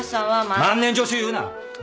万年助手言うな！